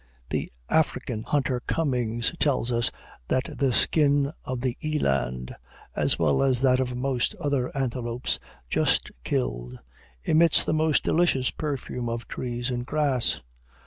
The African hunter Cummings tells us that the skin of the eland, as well as that of most other antelopes just killed, emits the most delicious perfume of trees and grass.